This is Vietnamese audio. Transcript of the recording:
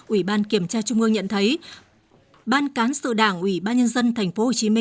ủy ban kiểm tra trung ương nhận thấy ban cán sự đảng ủy ban nhân dân tp hcm